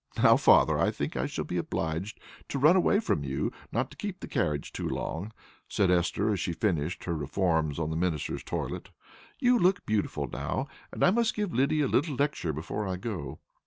"Now, father, I think I shall be obliged to run away from you, not to keep the carriage too long," said Esther, as she finished her reforms on the minister's toilet. "You look beautiful now, and I must give Lyddy a little lecture before I go."